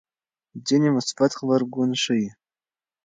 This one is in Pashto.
ځینې مثبت غبرګون ښيي.